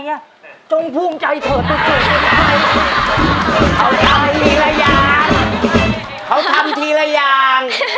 เอาไปทีละอย่างเขาทำทีละอย่าง